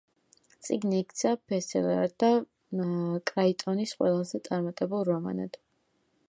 წიგნი იქცა ბესტსელერად და კრაიტონის ყველაზე წარმატებულ რომანად.